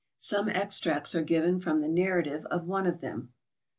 Some extracts are given from the narrative of one of them.